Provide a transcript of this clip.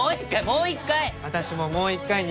もう一回もう一回！